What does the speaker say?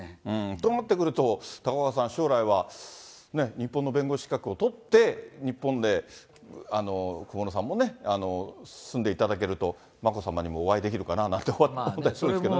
となってくると、高岡さん、将来は日本の弁護士資格を取って、日本で小室さんもね、住んでいただけると、眞子さまにもお会いできるかななんて思ったりするんですけどね。